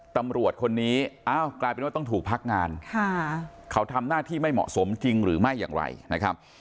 ตำรวจคนนี้อ้าวกลายเป็นว่าต้องถูกพักงานเขาทำหน้าที่ไม่เหมาะสมจริงหรือไม่อย่างไรนะครับ